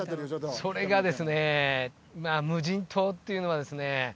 それがですね無人島っていうのはですね